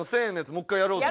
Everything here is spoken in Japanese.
もう１回やろうぜ。